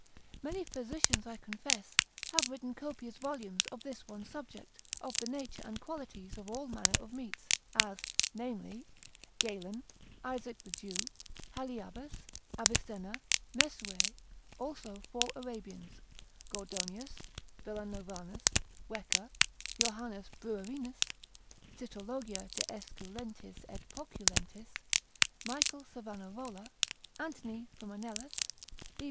Many physicians, I confess, have written copious volumes of this one subject, of the nature and qualities of all manner of meats; as namely, Galen, Isaac the Jew, Halyabbas, Avicenna, Mesue, also four Arabians, Gordonius, Villanovanus, Wecker, Johannes Bruerinus, sitologia de Esculentis et Poculentis, Michael Savanarola, Tract 2. c. 8, Anthony Fumanellus, lib.